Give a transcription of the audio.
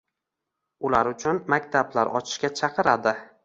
ular uchun maktablar ochishga chaqiradi.